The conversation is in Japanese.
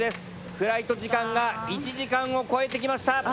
フライト時間が１時間を超えてきました。